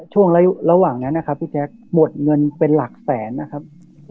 ช่วงระหว่างนั้นนะครับพี่แจ๊คหมดเงินเป็นหลักแสนนะครับ